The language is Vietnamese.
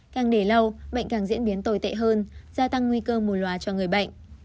càng để lâu bệnh càng diễn biến tồi tệ hơn gia tăng nguy cơ mù loà cho người bệnh